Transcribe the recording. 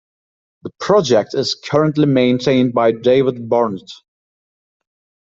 The project is currently maintained by David Barnett.